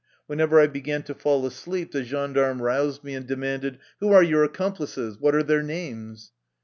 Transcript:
Whenever I began to fall asleep, the gendarme roused me and demanded: " Who are your accomplices? What are their names?"